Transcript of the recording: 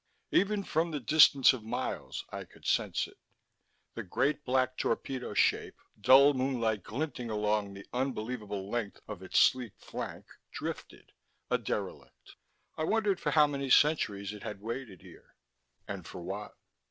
Even from the distance of miles, I could sense it. The great black torpedo shape, dull moonlight glinting along the unbelievable length of its sleek flank, drifted: a derelict. I wondered for how many centuries it had waited here and for what?